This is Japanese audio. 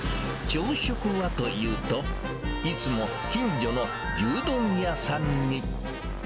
朝食はというと、いつも、近所の牛丼屋さんに。